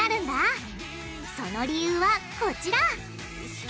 その理由はこちら！